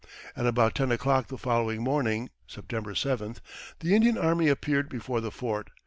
At about ten o'clock the following morning (September 7th) the Indian army appeared before the fort.